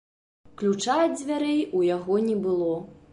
Ключа ад дзвярэй у яго не было.